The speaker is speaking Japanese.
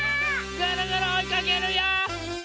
ぐるぐるおいかけるよ！